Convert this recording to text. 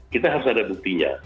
kita harus ada buktinya